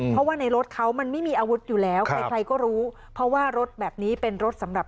เพราะว่าในรถเขามันไม่มีอาวุธอยู่แล้วใครใครก็รู้เพราะว่ารถแบบนี้เป็นรถสำหรับ